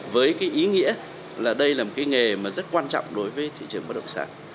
với cái ý nghĩa là đây là một cái nghề mà rất quan trọng đối với thị trường bất động sản